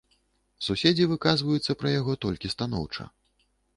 Суседзі выказваюцца пра яго толькі станоўча.